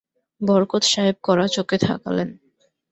বরকত সাহেব কড়া চোখে তাকালেন।